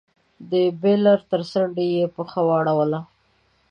د بېلر تر څنډې يې پښه واړوله.